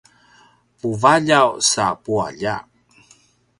puvaljaw sa pualjak